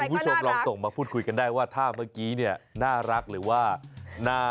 คุณผู้ชมลองส่งมาพูดคุยกันได้ว่าถ้าเมื่อกี้เนี่ยน่ารักหรือว่าน่า